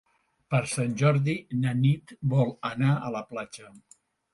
Per Sant Jordi na Nit vol anar a la platja.